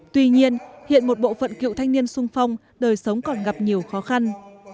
tuy nhiên hiện một bộ phận cựu thanh niên sung phong đời sống còn gặp nhiều khó khăn